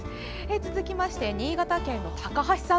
続いて新潟県の高橋さん。